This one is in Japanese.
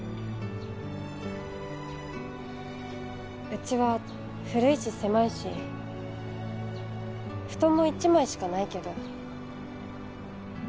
うちは古いし狭いし布団も一枚しかないけど。